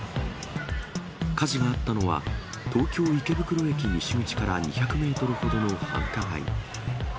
火事があったのは、東京・池袋駅西口から２００メートルほどの繁華街。